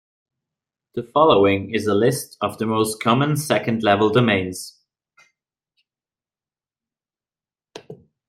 The following is a list of the most common second-level domains.